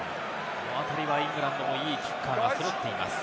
このあたりもイングランド、いいキッカーが揃っています。